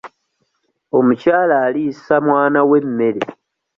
Omukyala aliisa mwana we emmere.